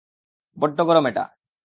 বড্ড গরম এটা।